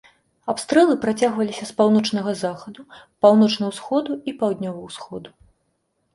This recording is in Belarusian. Абстрэлы працягваліся з паўночнага захаду, паўночна-усходу і паўднёва-усходу.